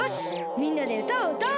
みんなでうたをうたおう！